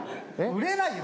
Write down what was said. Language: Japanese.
売れないよ